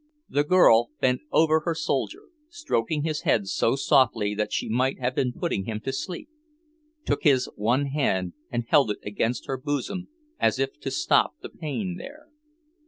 The girl bent over her soldier, stroking his head so softly that she might have been putting him to sleep; took his one hand and held it against her bosom as if to stop the pain there.